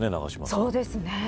そうですね。